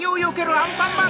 アンパンマン！